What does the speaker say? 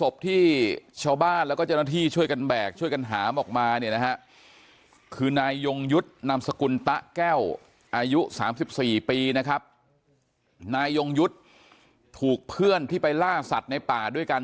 ๓๔ปีนะครับนายยงยุทธ์ถูกเพื่อนที่ไปล่าสัตว์ในป่าด้วยการ